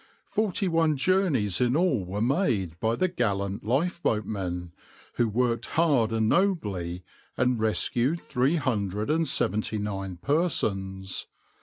Forty one journeys in all were made by the gallant lifeboatmen, who worked hard and nobly, and rescued three hundred and seventy nine persons.